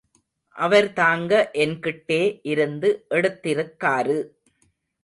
அவர் தாங்க என்கிட்டே இருந்து எடுத்திருக்காரு.